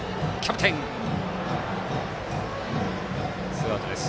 ツーアウトです。